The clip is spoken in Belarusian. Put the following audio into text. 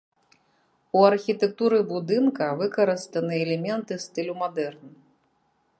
У архітэктуры будынка выкарыстаны элементы стылю мадэрн.